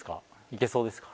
いけそうですか？